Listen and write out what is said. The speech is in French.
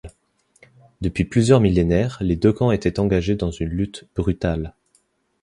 Depuis plusieurs millénaires, les deux camps étaient engagés dans une lutte brutale.